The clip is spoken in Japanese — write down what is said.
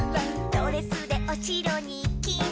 「ドレスでおしろにきてみたら」